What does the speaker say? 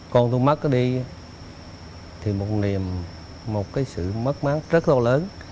con tôi mất đi thì một niềm một sự mất mát rất là lớn